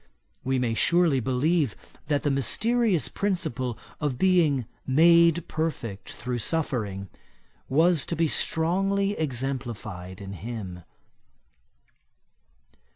We may surely believe that the mysterious principle of being 'made perfect through suffering' was to be strongly exemplified in him.